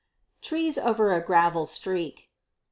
Trees Over a Gravel Streak.